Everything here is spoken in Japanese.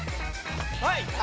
はい！